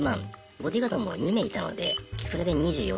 ボディーガードも２名いたのでそれで２４万で。